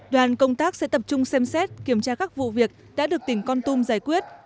đoàn công tác sẽ tập trung xem xét kiểm tra các vụ việc đã được tỉnh con tum giải quyết